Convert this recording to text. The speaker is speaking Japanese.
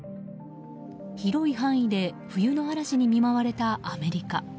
広い範囲で冬の嵐に見舞われたアメリカ。